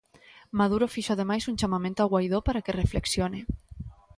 Maduro fixo ademais un chamamento a Guaidó para que reflexione.